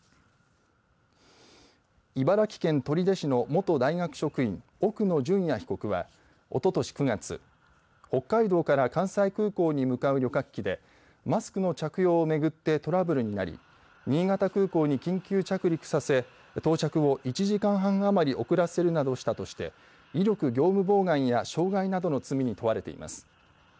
茨城県取手市の元大学職員奥野淳也被告は、おととし９月北海道から関西空港に向かう旅客機でマスクの着用を巡ってトラブルになり新潟空港に緊急着陸させ到着を１時間半余り遅らせるなどした威力業務妨害や傷害などの罪に問われています。